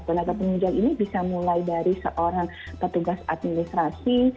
tenaga penunjang ini bisa mulai dari seorang petugas administrasi